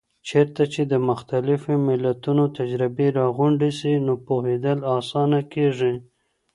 چیرته چي د مختلفو ملتونو تجربې راغونډې سي، نو پوهیدل آسانه کیږي؟